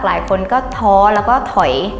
หลายคนก็ท้อแล้วก็ถอย